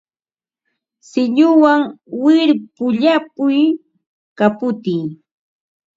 Silluwan wirpu llapiy, kaputiy